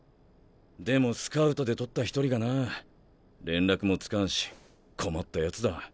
でもスカウトで獲った１人がな連絡もつかんし困ったやつだ。